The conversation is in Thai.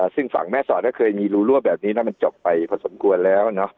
ซึ่งฝั่งแม่สอดก็เคยมีรูรั่วแบบนี้นะมันจบไปพอสมควรแล้ว